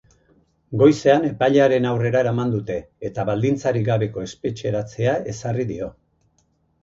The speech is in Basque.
Goizean epailearen aurrera eraman dute, eta baldintzarik gabeko espetxeratzea ezarri dio.